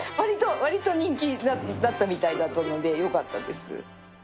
わりと人気だったみたいなのでよかったです。